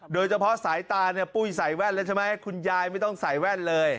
โดยเฉพาะสายตาเนี่ยปุ้ยใส่แว่นแล้วใช่ไหมคุณยายไม่ต้องใส่แว่นเลย